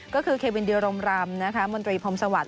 ก็คือเควินดิรมรำมนตรีพรมสวรร